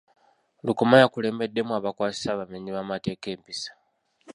Lukoma yakulembeddemu abakwasisa abamenyi bamateeka empisa.